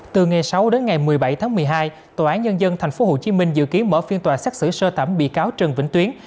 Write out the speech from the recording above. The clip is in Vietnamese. từ ngày sáu đến ngày một mươi bảy tháng một mươi hai tòa án nhân dân tp hcm dự kiến mở phiên tòa xét xử sơ thẩm bị cáo trần vĩnh tuyến